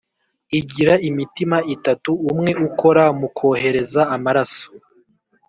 igira imitima itatu umwe ukora mu kohereza amaraso